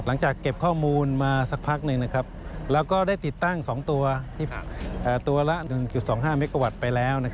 หลังจากเก็บข้อมูลมาสักพักหนึ่งแล้วก็ได้ติดตั้ง๒ตัวละ๑๒๕เมกาวัตต์ไปแล้ว